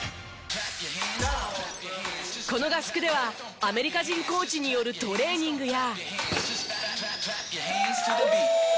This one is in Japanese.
この合宿ではアメリカ人コーチによるトレーニングや。